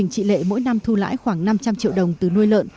chị lệ mỗi năm thu lãi khoảng năm trăm linh triệu đồng từ nuôi lợn